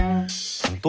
本当？